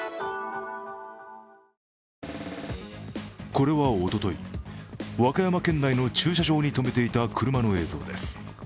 これはおととい、和歌山県内の駐車場にとめていた車の映像です。